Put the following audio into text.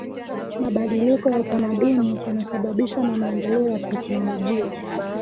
mabadiliko ya utamaduni yanasababishwa na maendeleo ya teknolojia